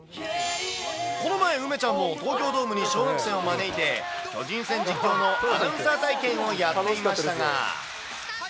この前、梅ちゃんも東京ドームに小学生を招いて、巨人戦実況のアナウンサー体験をやっていましたが。